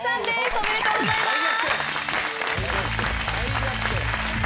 おめでとうございます大逆転！